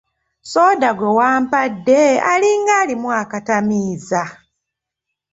Soda gwe wampadde alinga alimu akatamiiza!